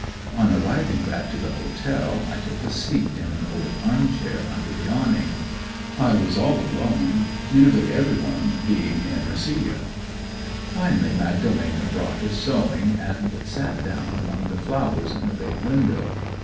On arriving back to the Hotel I took a seat in an old arm chair under the awning. I was all alone, nearly every one being in Mesilla. Finally Magdalena brought her sewing and sat down among the flowers in the bay window.